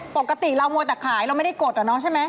ปกติเรามัวแต่ขายเราไม่ได้กดอะเนาะใช่ไหม